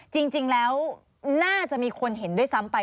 จริงแล้วน่าจะมีคนเห็นด้วยซ้ำไป